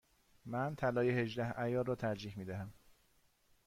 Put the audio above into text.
من طلای هجده عیار را ترجیح می دهم.